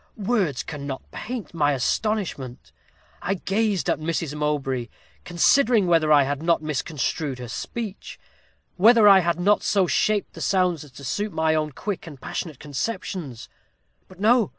"Words cannot paint my astonishment. I gazed at Mrs. Mowbray, considering whether I had not misconstrued her speech whether I had not so shaped the sounds as to suit my own quick and passionate conceptions. But no!